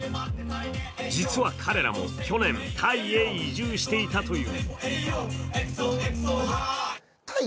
実は彼らも去年、タイへ移住していたという。